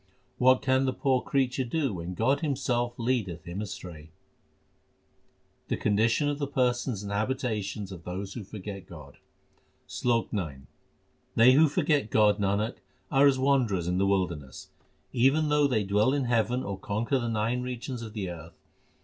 What can the poor creature do when God Himself leadeth him astray ? The condition of the persons and habitations of those who forget God : SLOK IX They who forget God, Nanak, are as wanderers in the wilderness, Even though they dwell in heaven or conquer the nine regions of the earth.